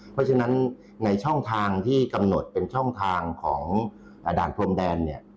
เพราะฉะนั้นในช่องทางที่กำหนดเป็นช่องทางของด่านพรมแดนเนี่ย